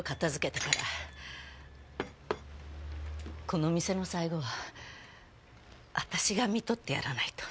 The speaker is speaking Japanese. この店の最期は私が看取ってやらないと。